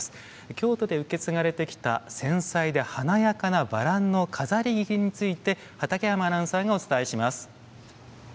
京都で受け継がれてきた繊細で華やかなバランの飾り切りについて畠山アナウンサーがお伝えします。